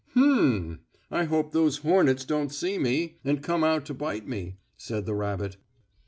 "Hum! I hope those hornets don't see me, and come out to bite me," said the rabbit.